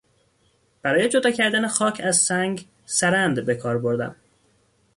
برای جدا کردن خاک از سنگ سرند بهکار بردم.